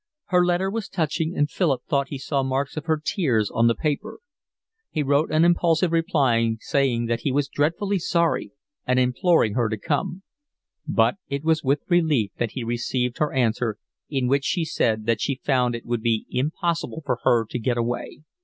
Her letter was touching, and Philip thought he saw marks of her tears on the paper; he wrote an impulsive reply saying that he was dreadfully sorry and imploring her to come; but it was with relief that he received her answer in which she said that she found it would be impossible for her to get away.